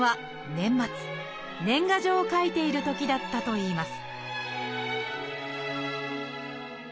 年賀状を書いているときだったといいます